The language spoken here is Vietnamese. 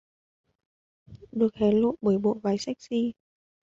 Được hé lộ bởi bộ váy sexy